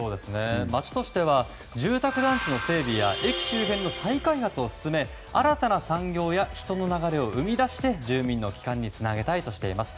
町としては住宅団地の整備や駅周辺の再開発を進めて新たな産業や人の流れを生み出して住民の帰還につなげたいとしています。